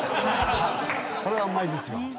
これはうまいですよ